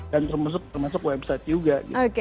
dan termasuk website juga